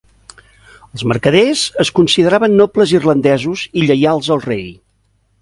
Els mercaders es consideraven nobles irlandesos i lleials al rei.